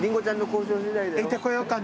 行ってこようかな。